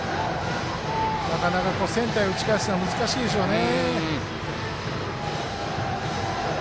なかなか、センターへ打ち返すのは難しいでしょうね。